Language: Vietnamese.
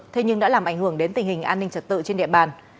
thế nhưng đã làm ảnh hưởng đến tình hình an ninh trật tự trên địa bàn